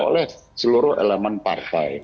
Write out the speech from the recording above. oleh seluruh elemen partai